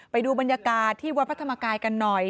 ไปดูบรรยากาศที่วัดพระธรรมกายกันหน่อย